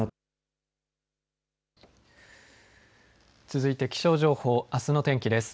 続いて気象情報あすの天気です。